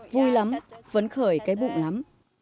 vui lắm vẫn khởi cái bụng lắm